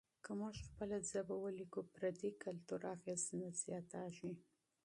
که موږ خپله ژبه ولیکو، پردي کلتور اغېز نه زیاتیږي.